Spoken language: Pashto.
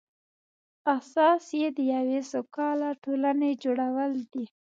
اساس یې د یوې سوکاله ټولنې جوړول دي.